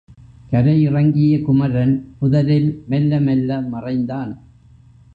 கரையிறங்கிய குமரன் புதரில் மெல்ல மெல்ல மறைந்தான்.